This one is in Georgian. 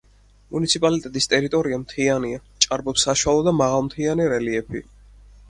მუნიციპალიტეტის ტერიტორია მთიანია, ჭარბობს საშუალო და მაღალმთიანი რელიეფი.